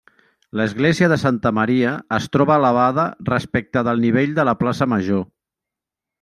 L'església de Santa Maria es troba elevada respecte del nivell de la plaça Major.